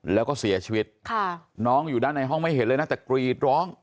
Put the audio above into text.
แล้วก็เสียชีวิตค่ะน้องอยู่ด้านในห้องไม่เห็นเลยนะแต่กรีดร้อง